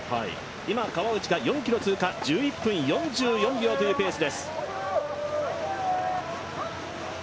今、川内が４ｋｍを通過１１分４４秒というペースです。